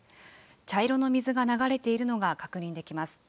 茶色の水が流れているのが確認できます。